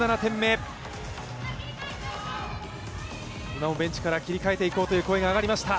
今もベンチから切り替えていこうという声が上がりました。